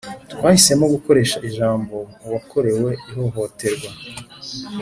twahisemo gukoresha ijambo uwakorewe ihohoterwa